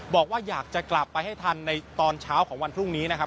บอกว่าอยากจะกลับไปให้ทันในตอนเช้าของวันพรุ่งนี้นะครับ